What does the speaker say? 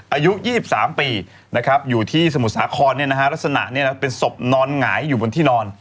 อายุ๒๓ปีนะครับอยู่ที่สมุทรสาคอนเนี่ยนะฮะลักษณะเนี่ยนะเป็นศพนอนหงายอยู่บนที่นอน